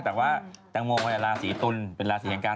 แต่ว่าแตงโมมันเป็นราศีตุลเป็นการเริ่มต้นใหม่